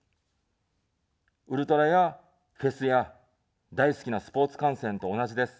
ウルトラやフェスや、大好きなスポーツ観戦と同じです。